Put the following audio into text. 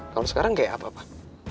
kalau sekarang kayak apa pak